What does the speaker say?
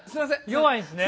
弱いんすね。